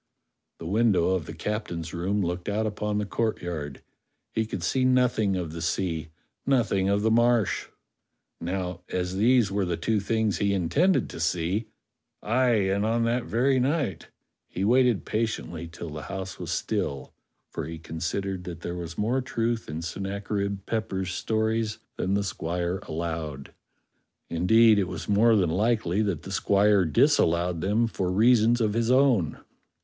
The window of the captain's room looked out upon the courtyard; he could see nothing of the sea, nothing of the Marsh. Now, as these were the two things he intended to see — aye, and on that very night — he waited patiently till the house was still; for he con sidered that there was more truth in Sennacherib Pepper's stories than the squire allowed. Indeed, it was more than likely that the squire disallowed them for reasons of his own.